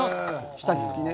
下敷きね。